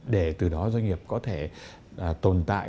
để từ đó doanh nghiệp có thể tồn tại